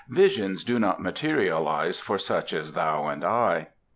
"Visions do not materialize for such as thou and I."